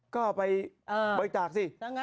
ก็ไปบริจาคสิ